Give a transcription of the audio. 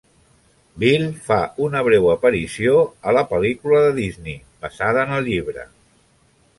Bill fa una breu aparició a la pel·lícula de Disney basada en el llibre.